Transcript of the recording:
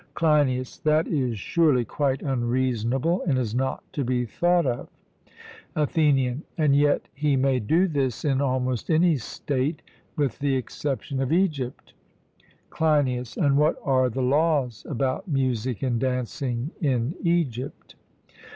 CLEINIAS: That is surely quite unreasonable, and is not to be thought of. ATHENIAN: And yet he may do this in almost any state with the exception of Egypt. CLEINIAS: And what are the laws about music and dancing in Egypt?